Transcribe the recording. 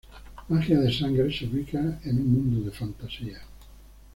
Magia de Sangre se ubica en un mundo de fantasía.